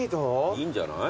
いいんじゃない？